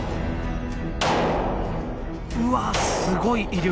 うわっすごい威力。